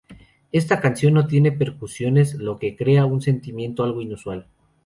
Esta canción no tiene percusiones, lo que crea un sentimiento algo inusual.